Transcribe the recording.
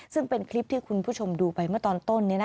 ซึ่งเป็นคลิปที่คุณผู้ชมดูไปเมื่อตอนต้น